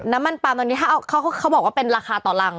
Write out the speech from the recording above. น้ำมันปลามตอนนี้ถ้าเขาบอกว่าเป็นราคาต่อรัง